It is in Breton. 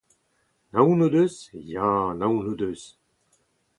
Naon o deus ? Ya, naon o deus.